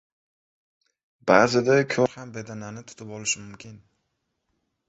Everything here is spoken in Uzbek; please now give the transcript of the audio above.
• Ba’zida ko‘r ham bedanani tutib olishi mumkin.